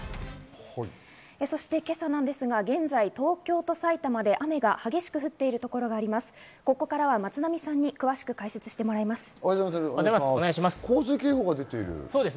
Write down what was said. そして今朝ですが現在、東京と埼玉では雨が激しく降ってるところがあります。